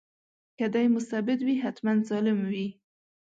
که دی مستبد وي حتماً ظالم وي.